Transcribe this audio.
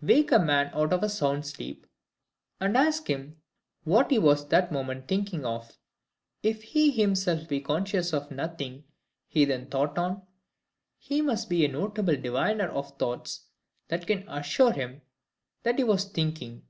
Wake a man out of a sound sleep, and ask him what he was that moment thinking of. If he himself be conscious of nothing he then thought on, he must be a notable diviner of thoughts that can assure him that he was thinking.